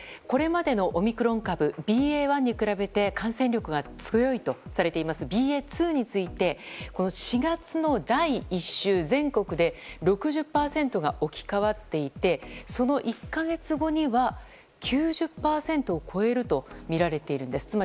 これまでのオミクロン株ＢＡ．１に比べて感染力が強いとされているＢＡ．２について４月の第１週全国で６０％が置き換わっていてその１か月後には９０％を超えるとみられているんです。